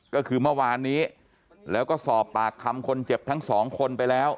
ก็คือเมื่อวานนี้แล้วก็สอบปากคำคนเจ็บทั้งสองคนไปแล้ว